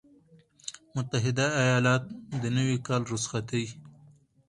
متحده ایالات - د نوي کال رخصتي